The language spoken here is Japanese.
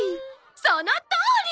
そのとおり！